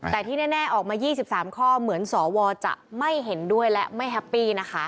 แต่ที่แน่ออกมา๒๓ข้อเหมือนสวจะไม่เห็นด้วยและไม่แฮปปี้นะคะ